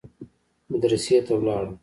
مدرسې ته ولاړم.